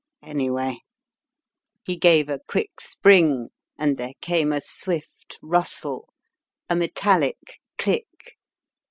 Anyway " He gave a quick spring and there came a swift rustle, a metallic click!